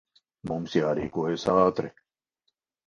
Mums jārīkojas ātri.